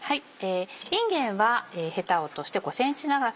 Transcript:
いんげんはヘタを落として５ｃｍ長さ。